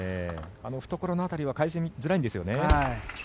懐の辺りは返しづらいんですよね。